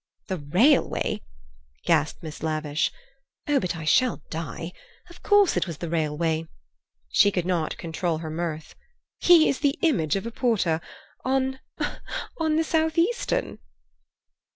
"The railway!" gasped Miss Lavish. "Oh, but I shall die! Of course it was the railway!" She could not control her mirth. "He is the image of a porter—on, on the South Eastern."